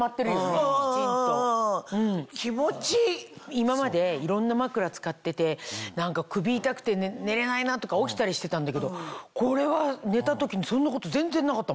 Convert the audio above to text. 今までいろんなまくら使ってて首痛くて寝れないなとか起きたりしてたんだけどこれは寝た時にそんなこと全然なかったもん。